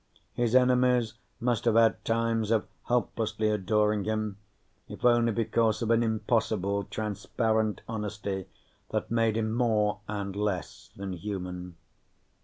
His enemies must have had times of helplessly adoring him, if only because of an impossible transparent honesty that made him more and less than human.